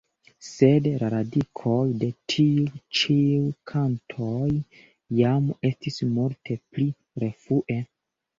Sed la radikoj de tiuj ĉiuj kantoj jam estis multe pli rfue.